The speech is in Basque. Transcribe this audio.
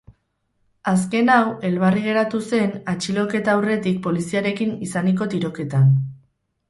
Azken hau elbarri geratu zen atxiloketa aurretik poliziarekin izaniko tiroketan.